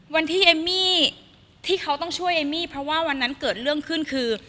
วันที่เอมมี่ที่เขาต้องช่วยเอมมี่เพราะว่าวันนั้นเกิดเรื่องขึ้นคือ